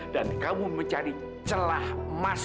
dan kamu mencari celah emas